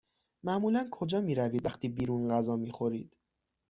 معمولا کجا می روید وقتی بیرون غذا می خورید؟